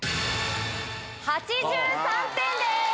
８３点です。